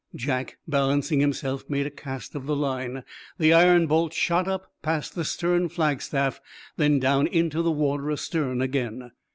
Jack, balancing himself, made a cast of the line. The iron bolt shot up, past the stern flagstaff, then down into the water astern again.